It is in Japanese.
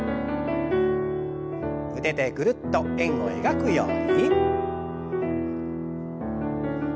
腕でぐるっと円を描くように。